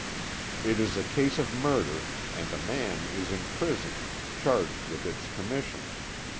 It is a case of murder, and a man is in prison, charged with its commission.